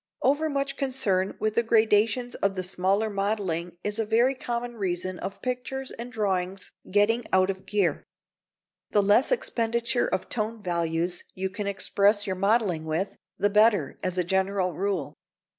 Overmuch concern with the gradations of the smaller modelling is a very common reason of pictures and drawings getting out of gear. The less expenditure of tone values you can express your modelling with, the better, as a general rule.